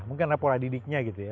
mungkin ada pola didiknya gitu ya